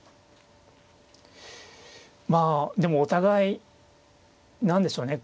まあでもお互い何でしょうね